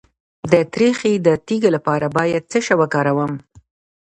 د تریخي د تیږې لپاره باید څه شی وکاروم؟